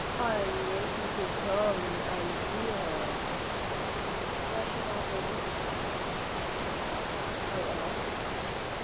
"I wish you could come and see her." "Does she want to see me?' I asked.